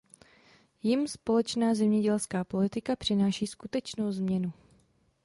Jim společná zemědělská politika přináší skutečnou změnu.